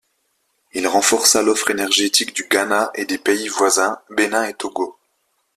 Il renforça l’offre énergétique du Ghana et des pays voisins, Bénin et Togo.